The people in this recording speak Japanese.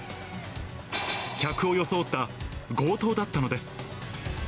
客を装った強盗だったのです。